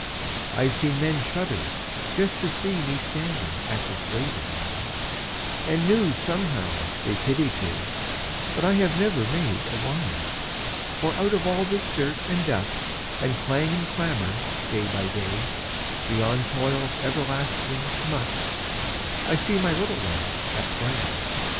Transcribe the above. I've seen men shudder just to see Me standing at this lathe of mine, And knew somehow they pitied me, But I have never made a whine; For out of all this dirt and dust And clang and clamor day by day, Beyond toil's everlasting "must," I see my little ones at play.